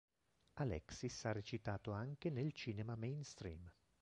Alexis ha recitato anche nel cinema mainstream.